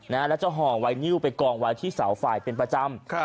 แล้วจะห่อไวนิวไปกองไว้ที่เสาไฟเป็นประจำ